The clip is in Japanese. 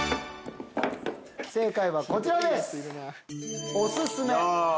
正解はこちらです。